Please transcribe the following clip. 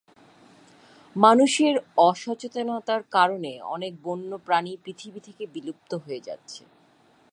মানুষের অসচেতনতার কারণে অনেক বন্য প্রাণী পৃথিবী থেকে বিলুপ্ত হয়ে যাচ্ছে।